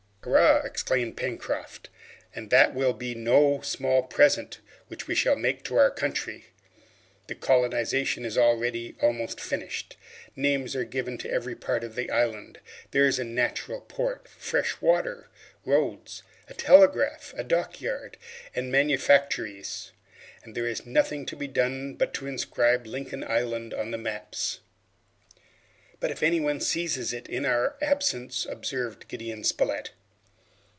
"Hurrah!" exclaimed Pencroft, "and that will be no small present which we shall make to our country! The colonization is already almost finished; names are given to every part of the island; there is a natural port, fresh water, roads, a telegraph, a dockyard, and manufactories; and there will be nothing to be done but to inscribe Lincoln Island on the maps!" "But if anyone seizes it in our absence?" observed Gideon Spilett.